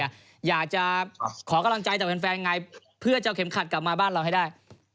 อยากจะขอกำลังใจจากแฟนไงเพื่อจะเอาเข็มขัดกลับมาบ้านเราให้ได้